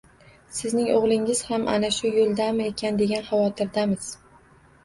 Sizning o‘g‘lingiz ham ana shu yo‘ldami ekan, degan xavotirdamiz.